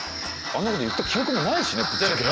あんなこと言った記憶もないしねぶっちゃけ。